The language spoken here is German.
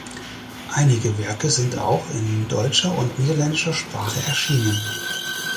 Einige Werke sind auch in deutscher und niederländischer Sprache erschienen.